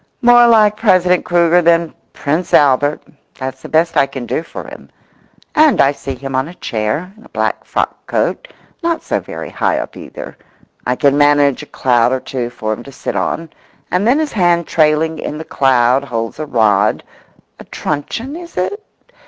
More like President Kruger than Prince Albert—that's the best I can do for him; and I see him on a chair, in a black frock coat, not so very high up either; I can manage a cloud or two for him to sit on; and then his hand trailing in the cloud holds a rod, a truncheon is it?